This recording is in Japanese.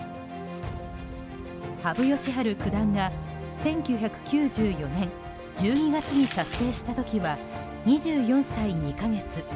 羽生善治九段が１９９４年１２月に達成した時は２４歳２か月。